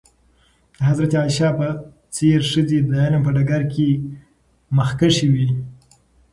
د حضرت عایشه په څېر ښځې د علم په ډګر کې مخکښې وې.